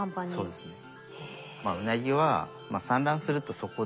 そうですね。